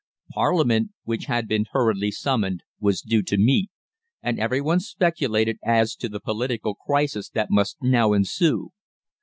Parliament, which had been hurriedly summoned, was due to meet, and every one speculated as to the political crisis that must now ensue.